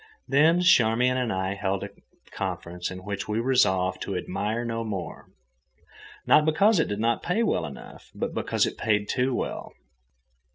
Then Charmian and I held a conference in which we resolved to admire no more—not because it did not pay well enough, but because it paid too well.